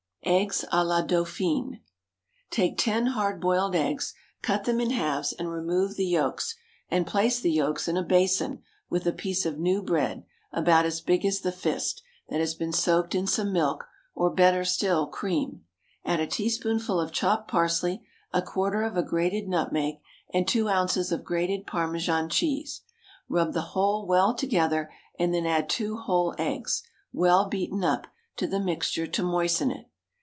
EGGS A LA DAUPHINE. Take ten hard boiled eggs, cut them in halves and remove the yolks, and place the yolks in a basin with a piece of new bread, about as big as the fist, that has been soaked in some milk, or better still, cream; add a teaspoonful of chopped parsley, a quarter of a grated nutmeg, and two ounces of grated Parmesan cheese; rub the whole well together, and then add two whole eggs, well beaten up, to the mixture to moisten it.